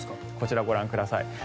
こちらご覧ください。